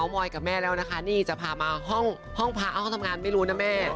หรือว่านี่จะผ่ามาห้องพระห้องทำงานไม่รู้นะแม่